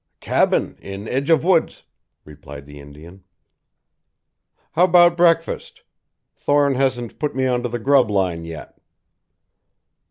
"Cabin in edge of woods," replied the Indian. "How about breakfast? Thorne hasn't put me on to the grub line yet."